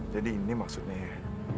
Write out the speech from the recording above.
jadi ini maksudnya